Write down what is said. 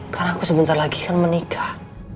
karena aku sebentar lagi kan menikah